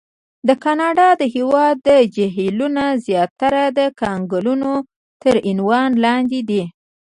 د کاناډا د هېواد جهیلونه زیاتره د کنګلونو تر عنوان لاندې دي.